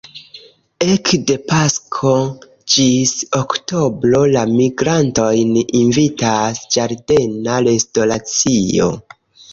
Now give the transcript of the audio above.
Ekde pasko ĝis oktobro la migrantojn invitas ĝardena restoracio.